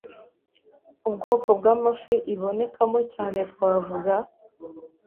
Ubwoko bw’amafi ibonekamo cyane twavuga